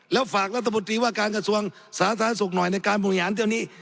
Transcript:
แล้วฝากรัฐบนตรีว่าการกระทรวงสาธารณสุขหน่อยในการบริหารเที่ยวนี้